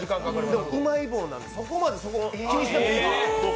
でもうまい棒なんでそこまで気にしなくていいんです。